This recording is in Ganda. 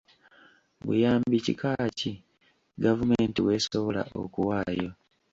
Buyambi kika ki, gavumenti bw'esobola okuwaayo?